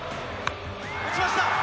打ちました！